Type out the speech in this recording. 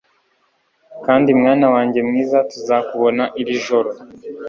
Kandi Mwana wanjye mwiza tuzakubona iri joro